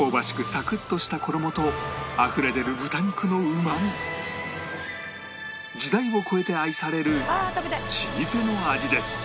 サクッとした衣とあふれ出る豚肉のうまみ時代を超えて愛される老舗の味です